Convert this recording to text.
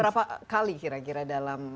berapa kali kira kira dalam